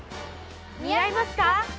似合いますか？